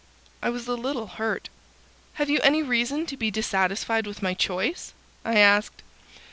I was a little hurt. "Have you any reason to be dissatisfied with my choice?" I asked.